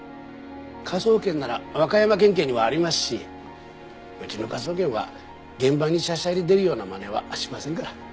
科捜研なら和歌山県警にもありますしうちの科捜研は現場にしゃしゃり出るようなまねはしませんから。